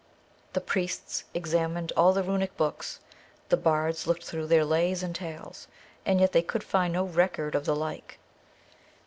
The priests examined all the runic books, the bards looked through their lays and tales, and yet they could find no record of the like.